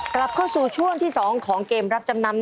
กลับเข้าสู่ช่วงที่๒ของเกมรับจำนำ